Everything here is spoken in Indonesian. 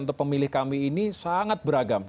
untuk pemilih kami ini sangat beragam